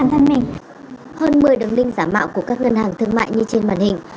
hơn một mươi đường linh giả mạo của các ngân hàng thương mại như trên màn hình